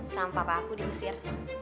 sama papa aku diusir